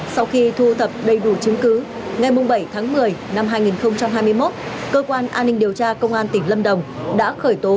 sau khi thu thập đầy đủ chứng cứ ngày bảy tháng một mươi năm hai nghìn hai mươi một cơ quan an ninh điều tra công an tỉnh lâm đồng đã khởi tố